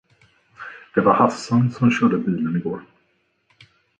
Det var Hassan som körde bilen igår.